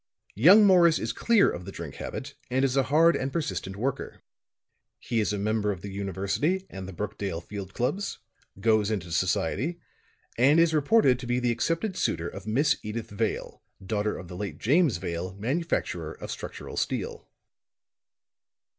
"Young Morris is clear of the drink habit, and is a hard and persistent worker. He is a member of the University and the Brookdale Field Clubs; goes into society, and is reported to be the accepted suitor of Miss Edyth Vale, daughter of the late James Vale, manufacturer of structural steel."